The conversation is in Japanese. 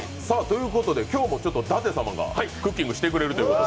今日も、だて様がクッキングしてくれるということで？